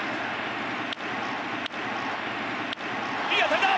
いい当たりだ！